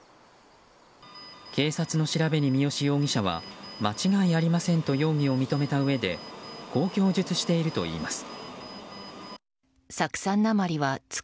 警察の調べに三好容疑者は間違いありませんと容疑を認めたうえでこう供述しているといいます。